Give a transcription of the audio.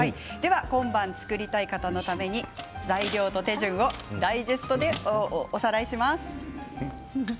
今晩作りたい方のために材料と手順をダイジェストでおさらいします。